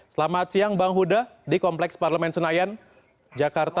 selamat siang bang huda di kompleks parlemen senayan jakarta